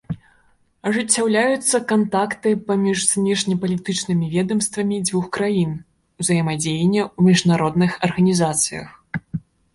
Ажыццяўляюцца кантакты паміж знешнепалітычнымі ведамствамі дзвюх краін, узаемадзеянне ў міжнародных арганізацыях.